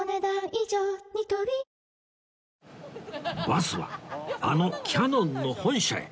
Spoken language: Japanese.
バスはあのキヤノンの本社へ